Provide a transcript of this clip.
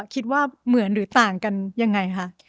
คิดว่าเหมือนหรือต่างกันยังไงคะ